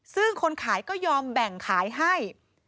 ซึ่งคนขายก็ยอมแบ่งขายให้